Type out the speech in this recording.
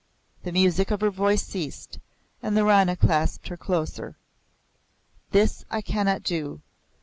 The music of her voice ceased, and the Rana clasped her closer. "This I cannot do.